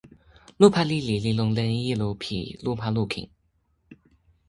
lupa lili li lon len ilo pi lupa lukin.